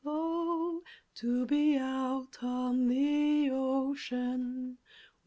Oh, to be out on the Ocean!